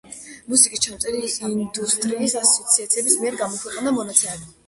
მუსიკის ჩამწერი ინდუსტრიის ასოციაციის მიერ გამოქვეყნდა მონაცემები.